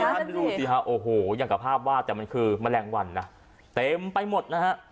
ท่านดูสิฮะโอ้โหอย่างกับภาพวาดแต่มันคือแมลงวันนะเต็มไปหมดนะฮะ